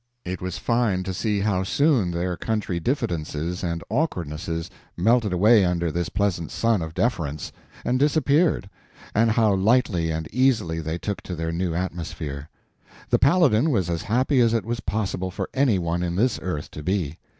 It was fine to see how soon their country diffidences and awkwardnesses melted away under this pleasant sun of deference and disappeared, and how lightly and easily they took to their new atmosphere. The Paladin was as happy as it was possible for any one in this earth to be.